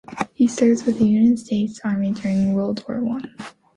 He served with the United States Army during World War One.